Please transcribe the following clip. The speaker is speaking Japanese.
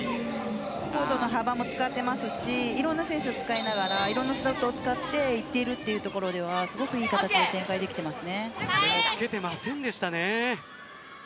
コートの幅も使っていますしいろんな選手を使いながらいろんなショットを使っていっているというところすごくいい形で展開できています。